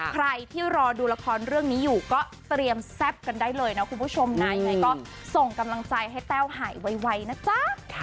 ใครที่รอดูละครเรื่องนี้อยู่ก็เตรียมแซ่บกันได้เลยนะคุณผู้ชมนะยังไงก็ส่งกำลังใจให้แต้วหายไวนะจ๊ะ